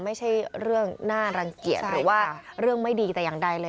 ไม่ใช่เรื่องน่ารังเกียจหรือว่าเรื่องไม่ดีแต่อย่างใดเลย